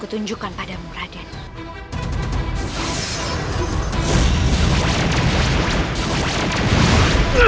siapa yang tolong yunda